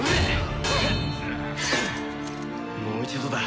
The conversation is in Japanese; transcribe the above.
もう一度だ。